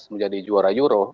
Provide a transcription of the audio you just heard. menjadi juara euro